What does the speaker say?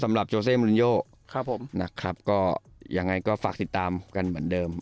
สำหรับโจเซมรุนโยนะครับก็อย่างไรก็ฝากติดตามกันเหมือนเดิม